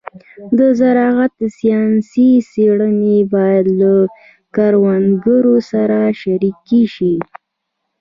د زراعت ساینسي څېړنې باید له کروندګرو سره شریکې شي.